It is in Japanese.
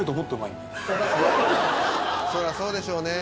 「そりゃそうでしょうね」